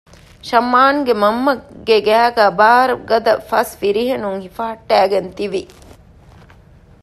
ޝަމްއާންގެ މަންމަގެ ގައިގައި ބާރުގަދަ ފަސް ފިރިހެނުން ހިފަހައްޓައިގެން ތިވި